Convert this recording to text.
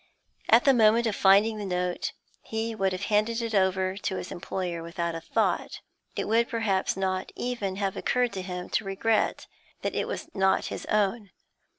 At the moment of finding the note, he would have handed it over to his employer without a thought; it would perhaps not even have occurred to him to regret that it was not his own.